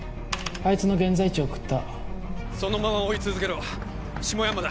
あいつの現在地送ったそのまま追い続けろ下山田